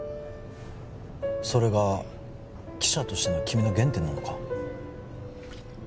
それが記者としての君の原点なのか？